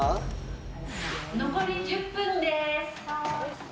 残り１０分です！